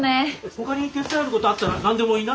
ほかに手伝えることあったら何でも言いな。